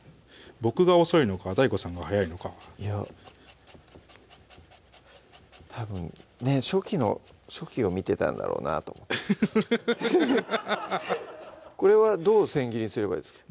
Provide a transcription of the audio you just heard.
僕が遅いのかＤＡＩＧＯさんが速いのかいやたぶんね初期を見てたんだろうなとハハハハこれはどう千切りにすればいいですか？